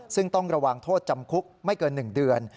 ซึ่งต้องระวังโทษจำคุกไม่เกิน๑เดือน